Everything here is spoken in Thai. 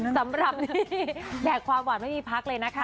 สำหรับแดกความหวานไม่มีพักเลยนะคะ